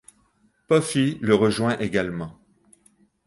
Puffy le rejoint également.